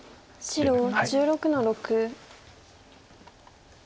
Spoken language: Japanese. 白１６の六。